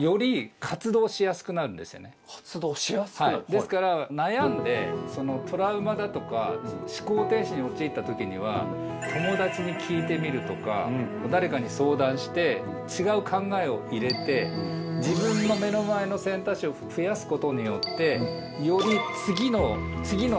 ですから悩んでそのトラウマだとか思考停止におちいったときには友達に聞いてみるとか誰かに相談してちがう考えを入れて自分の目の前の選択肢を増やすことによってより次の選択肢の。